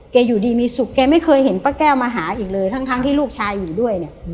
อยู่ดีมีสุขแกไม่เคยเห็นป้าแก้วมาหาอีกเลยทั้งที่ลูกชายอยู่ด้วยเนี่ย